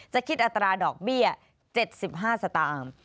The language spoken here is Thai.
คิดอัตราดอกเบี้ย๗๕สตางค์